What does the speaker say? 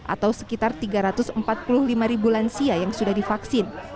atau sekitar tiga ratus empat puluh lima ribu lansia yang sudah divaksin